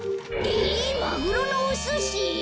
えっマグロのおすし！？